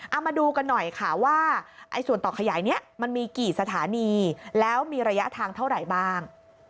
เอามาดูกันหน่อยค่ะว่าส่วนต่อขยายนี้มันมีกี่สถานีแล้วมีระยะทางเท่าไหร่บ้าง